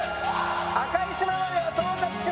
赤い島までは到達しました